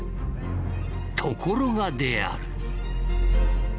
ところがである。